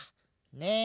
ねえ。